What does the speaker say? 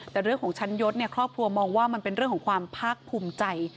แต่เรื่องของชั้นยศครอบครัวมองว่ามันเป็นเรื่องของความภาคภูมิใจ